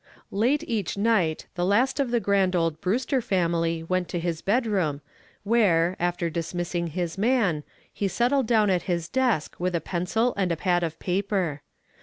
Late each night the last of the grand old Brewster family went to his bedroom where, after dismissing his man, he settled down at his desk, with a pencil and a pad of paper.